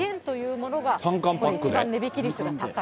一番値引き率が高い。